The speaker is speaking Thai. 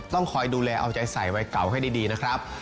ต้องคอยดูแลเอาใจใส่วัยเก่าให้ดีนะครับ